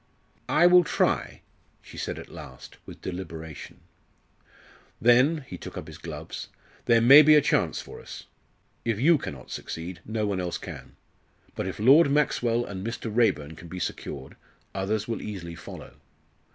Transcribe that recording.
"I will try," she said at last, with deliberation. "Then" he took up his gloves "there may be a chance for us. If you cannot succeed, no one else can. But if Lord Maxwell and Mr. Raeburn can be secured, others will easily follow.